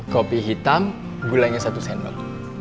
kopi hitam gulanya satu sendok